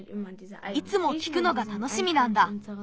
いつもきくのがたのしみなんだ。